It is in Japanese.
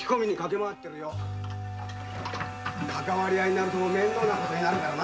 かかわりあいになると面倒な事になるからな。